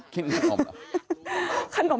กินขนม